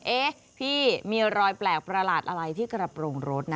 เอ๊ะพี่มีรอยแปลกประหลาดอะไรที่กระโปรงรถนะ